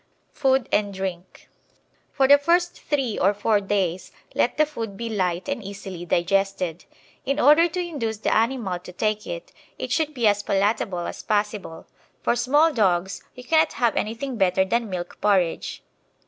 Food and Drink For the first three or four days let the food be light and easily digested. In order to induce the animal to take it, it should be as palatable as possible. For small dogs you cannot have anything better than milk porridge.